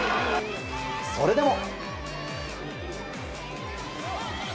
それでも。